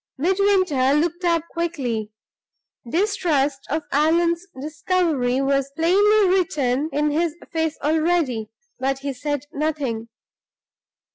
Midwinter looked up quickly. Distrust of Allan's discovery was plainly written in his face already; but he said nothing.